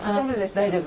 大丈夫。